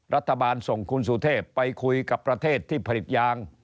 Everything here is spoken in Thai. รัฐบาลส่งคุณสุเทพไปคุยกับประเทศที่ผลิตยาง